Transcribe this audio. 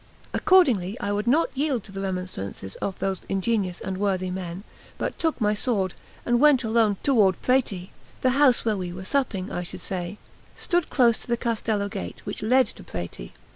Accordingly I would not yield to the remonstrances of those ingenious and worthy men, but took my sword, and went alone toward Prati: the house where we were supping, I should say, stood close to the Castello gate, which led to Prati.